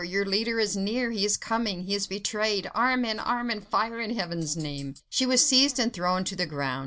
your leader is near! he is coming! he is betrayed! Armand! Armand! fire in Heaven's name!" She was seized and thrown to the ground.